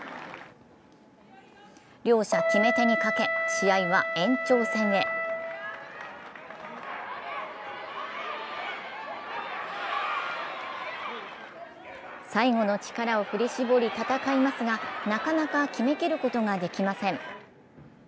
両者決め手に欠け、試合は延長戦へ最後の力を振り絞り戦いますが、なかなか決めきることができません。